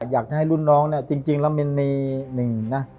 อยากให้รุ่นน้องเนี่ยจริงแล้วมันมีหนึ่งนะ